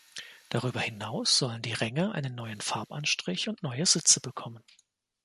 Darüber hinaus sollen die Ränge einen neuen Farbanstrich und neue Sitze bekommen.